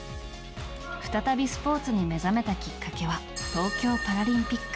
再びスポーツに目覚めたきっかけは東京パラリンピック。